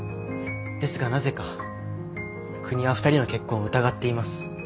ですがなぜか国は２人の結婚を疑っています。